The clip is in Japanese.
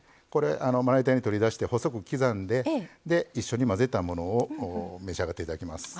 まな板に取り出して細く刻んで一緒に混ぜたものを召し上がっていただきます。